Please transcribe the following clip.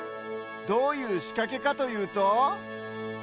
どういうしかけかというと。